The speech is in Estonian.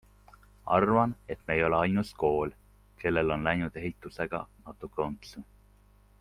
Arvan, et me ei ole ainus kool, kellel on läinud ehitusega natuke untsu.